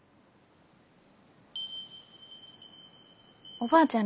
おばあちゃん